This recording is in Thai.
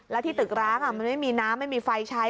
แล้วที่ตึกร้างมันไม่มีน้ำไม่มีไฟใช้